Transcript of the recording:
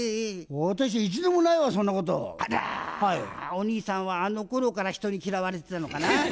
お兄さんはあのころから人に嫌われてたのかな。